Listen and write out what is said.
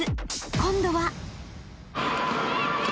今度は？］